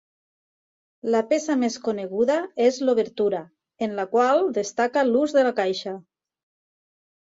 La peça més coneguda és l'obertura, en la qual destaca l'ús de la caixa.